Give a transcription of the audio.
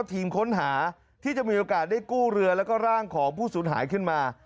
ทีมค้นหาที่จะมีโอกาสได้กู้เรือแล้วก็ร่างของผู้สูญหายขึ้นมา